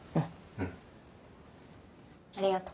うん。ありがと。